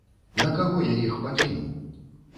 На каго я іх пакіну?